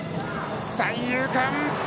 三遊間！